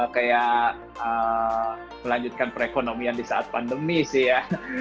kayak melanjutkan perekonomian di saat pandemi sih ya